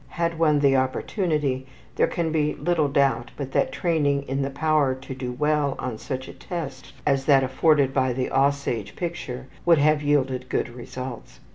Had one the opportunity, there can be little doubt but that training in the power to do well on such a test as that afforded by the ``Aussage'' picture would have yielded good results.